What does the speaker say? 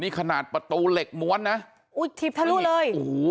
นี่ขนาดประตูเหล็กม้วนนะอุ้ยถีบทะลุเลยโอ้โห